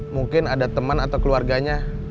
mungkin ada teman atau keluarganya